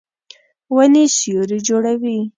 ونې سیوری جوړوي.